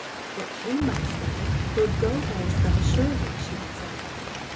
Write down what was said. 'What came by a spell will go by a spell surely,' she would say.